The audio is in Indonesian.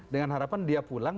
dengan harapan dia pulang